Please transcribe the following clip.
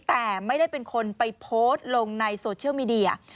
แต่ไม่ได้เป็นคนไปโพสต์ลงในโซเชียลมีเดีย